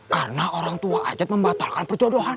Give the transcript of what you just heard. karena orang tua ajat membatalkan perjodohan